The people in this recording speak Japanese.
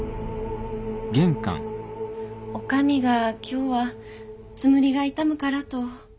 女将が今日はつむりが痛むからと。